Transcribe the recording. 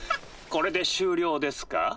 これで終了ですか？